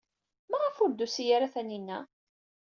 Maɣef ur d-tusi ara Taninna?